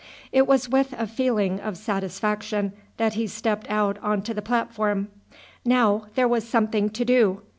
It was with a feeling of satisfaction that he stepped out on to the platform. Now there was something to do.